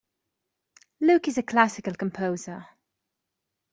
Luke is a classical composer.